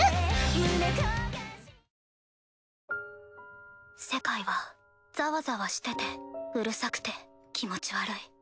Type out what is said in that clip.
ミレイ：世界はざわざわしててうるさくて気持ち悪い。